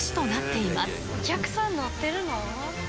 お客さん乗ってるの？